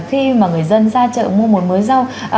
khi mà người dân ra chợ mua một mới rau